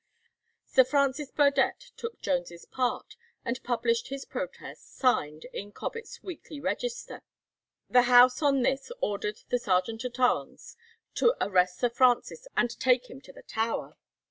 Sir Francis Burdett took Jones' part, and published his protest, signed, in Cobbett's 'Weekly Register.' The House on this ordered the Sergeant at arms to arrest Sir Francis and take him to the Tower.